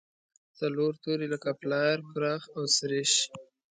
څلور توري لکه پلار، پراخ او سرېښ.